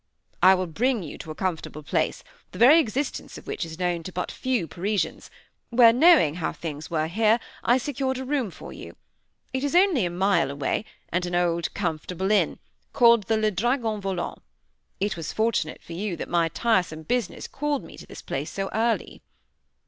"I will bring you to a comfortable place, the very existence of which is known to but few Parisians, where, knowing how things were here, I secured a room for you. It is only a mile away, and an old comfortable inn, called the Le Dragon Volant. It was fortunate for you that my tiresome business called me to this place so early."